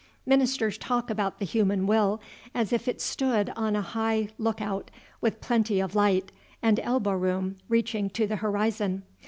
"Ministers talk about the human will as if it stood on a high look out, with plenty of light, and elbowroom reaching to the horizon.